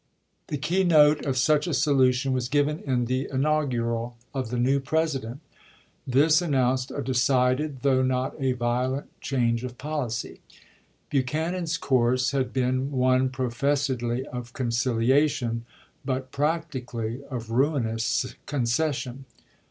The key note of such a solution was given in the inaugural of the new President. This announced a decided, though not a violent, change of policy. Buchanan's course had been one professedly of conciliation, but practically of ruinous concession.